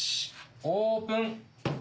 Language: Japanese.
オープン！